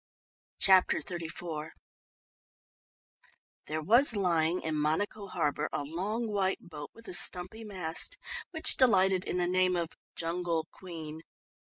Chapter XXXIV There was lying in Monaco harbour a long white boat with a stumpy mast, which delighted in the name of Jungle Queen.